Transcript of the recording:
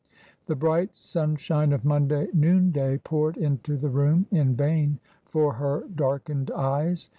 The bright sunshine of Monday noonday poured into the room in vain for her darkened eyes.